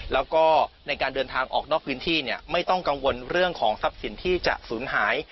แล้วก็ในการเดินทางออกนอกพื้นที่ไม่ต้องกังวลเรื่องของทรัพย์สินที่จะสูญหาย